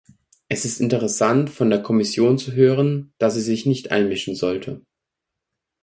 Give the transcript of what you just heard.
Es ist interessant, von der Kommission zu hören, dass sie sich nicht einmischen sollte.